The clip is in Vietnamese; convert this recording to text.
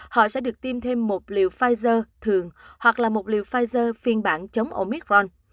họ sẽ được tiêm thêm một liều pfizer thường hoặc là một liều pfizer phiên bản chống omicron